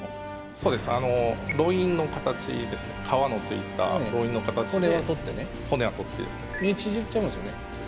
そうですロインの形ですね皮のついたロインの形で骨は取ってね骨は取ってです身縮れちゃいますよね？